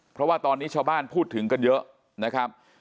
เพราะว่าตอนนี้ชาวบ้านพูดถึงกันเยอะนะครับ